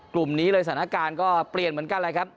กลุ่มนี้เลยสถานการณ์ก็เปลี่ยนเหมือนกันแหละครับ